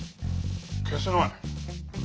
消せない！